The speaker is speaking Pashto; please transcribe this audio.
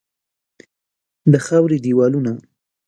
د خاوري دیوالونه